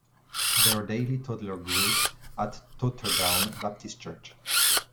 There are daily toddler groups at Totterdown Baptist Church.